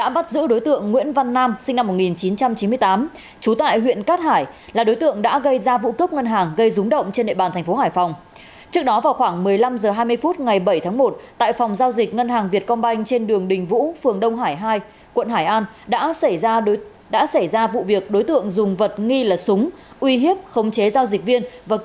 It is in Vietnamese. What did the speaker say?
các bạn hãy đăng ký kênh để ủng hộ kênh của chúng mình nhé